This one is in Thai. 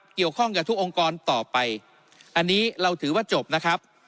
เกี่ยวข้องกับทุกองค์กรต่อไปอันนี้เราถือว่าจบนะครับ